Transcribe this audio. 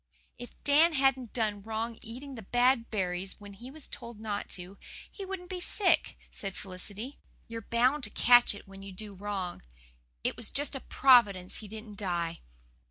"If Dan hadn't done wrong eating the bad berries when he was told not to, he wouldn't be sick," said Felicity. "You're bound to catch it when you do wrong. It was just a Providence he didn't die."